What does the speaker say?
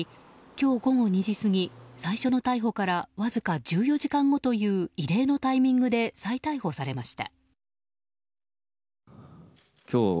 今日午後２時過ぎ最初の逮捕からわずか１４時間後という異例のタイミングで再逮捕されました。